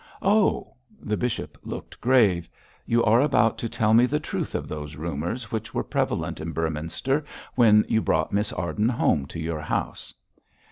'Oh!' The bishop looked grave. 'You are about to tell me the truth of those rumours which were prevalent in Beorminster when you brought Miss Arden home to your house?'